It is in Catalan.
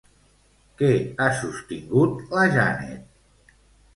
Què ha sostingut la Janet?